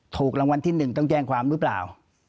ถูกรางวัลที่หนึ่งต้องแจ้งความรึเปล่า